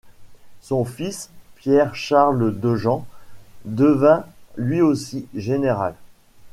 Son fils Pierre Charles Dejean devint lui aussi général.